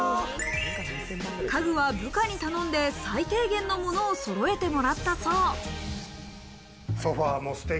家具は部下に頼んで、最低限のものをそろえてもらったそう。